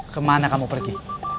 kemana kamu pergi